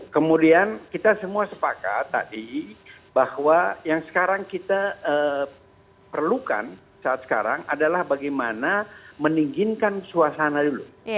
kemudian kita semua sepakat tadi bahwa yang sekarang kita perlukan saat sekarang adalah bagaimana meningginkan suasana dulu